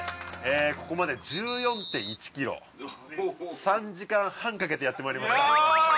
ここまで１４．１ｋｍ３時間半かけてやってまいりました